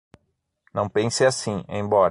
Não pense assim, embora!